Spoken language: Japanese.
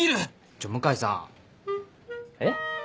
ちょ向井さんえ？